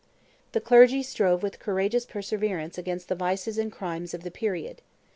The clergy strove with courageous perseverance against the vices and crimes of the period.